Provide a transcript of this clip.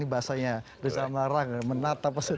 ini bahasanya dosa marang menatap masa depan